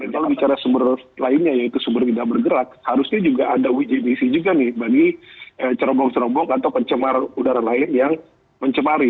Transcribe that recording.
kalau bicara sumber lainnya yaitu sumber tidak bergerak harusnya juga ada uji emisi juga nih bagi cerobong cerobong atau pencemar udara lain yang mencemari